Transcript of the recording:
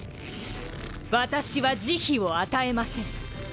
私は慈悲を与えません。